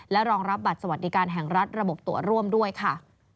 รองรับบัตรสวัสดิการแห่งรัฐระบบตัวร่วมด้วยค่ะ